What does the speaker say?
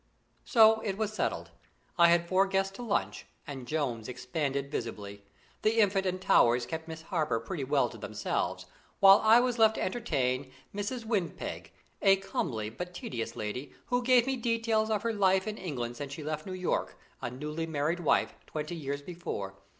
So it was settled. I had four guests to lunch, and Jones expanded visibly. The Infant and Towers kept Miss Harper pretty well to themselves, while I was left to entertain Mrs. Windpeg, a comely but tedious lady, who gave me details of her life in England since she left New York, a newly married wife, twenty years before.